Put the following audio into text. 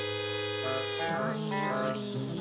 どんより。